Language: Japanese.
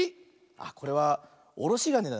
あっこれはおろしがねだね。